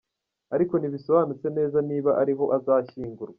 Ariko ntibisobanutse neza niba ari ho azashyingurwa.